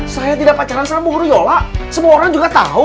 saya tidak pacaran sama ruyola semua orang juga tahu